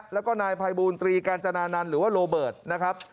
แล้วก็นายภัยบูรตรีกาญจนานันต์หรือว่าโรเบิร์ตนะครับ